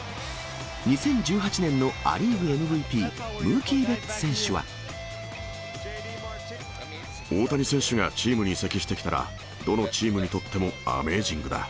２０１８年のア・リーグＭＶＰ、大谷選手がチームに移籍してきたら、どのチームにとってもアメージングだ。